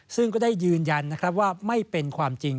ซึ่งก็ได้ยืนยันนะครับว่าไม่เป็นความจริง